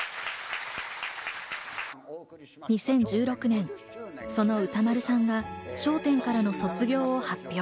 ２０１６年、その歌丸さんが『笑点』からの卒業を発表。